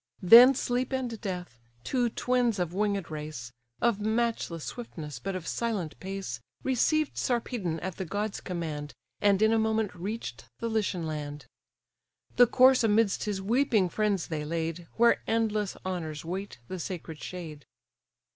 Then Sleep and Death, two twins of winged race, Of matchless swiftness, but of silent pace, Received Sarpedon, at the god's command, And in a moment reach'd the Lycian land; The corse amidst his weeping friends they laid, Where endless honours wait the sacred shade.